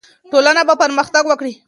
ټولنه به پرمختګ وکړي.